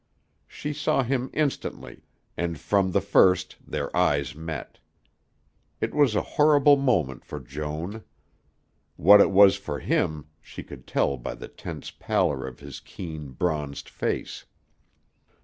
She saw him instantly and from the first their eyes met. It was a horrible moment for Joan. What it was for him, she could tell by the tense pallor of his keen, bronzed face.